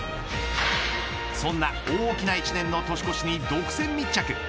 そんな大きな１年の年越しに独占密着。